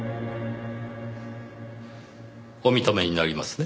お認めになりますね？